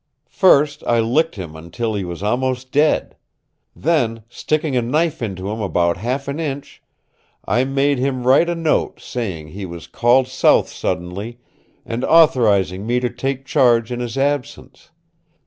First I licked him until he was almost dead. Then, sticking a knife into him about half an inch, I made him write a note saying he was called south suddenly, and authorizing me to take charge in his absence.